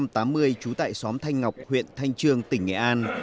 trú tại xóm thanh ngọc huyện thanh trương tỉnh nghệ an